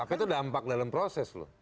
maka itu dampak dalam proses loh